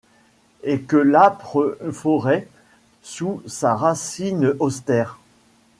Et que l'âpre forêt sous sa racine austère